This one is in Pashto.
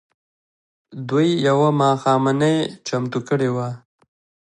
دوی يوه ماښامنۍ چمتو کړې وه.